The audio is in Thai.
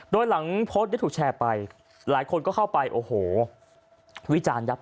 โดยหลังโพสต์ได้ถูกแชร์ไปหลายคนก็เข้าไปโอ้โหวิจารณ์ยับ